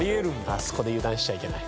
あそこで油断しちゃいけない。